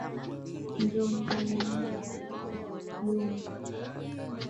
Njoo ndani ya nyumba.